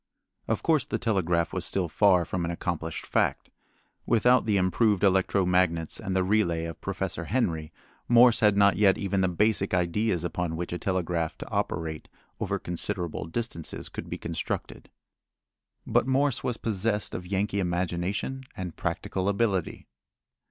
Of course the telegraph was still far from an accomplished fact. Without the improved electro magnets and the relay of Professor Henry, Morse had not yet even the basic ideas upon which a telegraph to operate over considerable distances could be constructed. But Morse was possessed of Yankee imagination and practical ability.